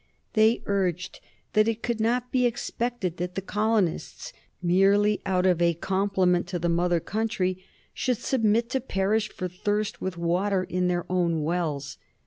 They urged that it could not be expected that the colonists, merely out of a compliment to the mother country, should submit to perish for thirst with water in their own wells.